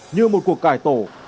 như một cuộc cải tổ